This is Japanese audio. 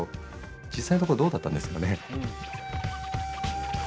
実際のところどうだったんですかね？